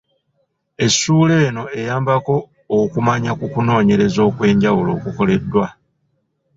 Essuula eno eyambako okumanya ku kunoonyereza okw’enjawulo okukoleddwa.